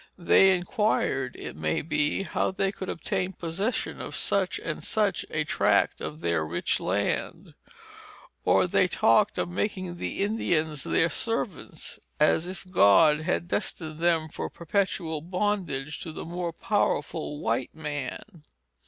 They inquired, it may be, how they could obtain possession of such and such a tract of their rich land. Or they talked of making the Indians their servants, as if God had destined them for perpetual bondage to the more powerful white man.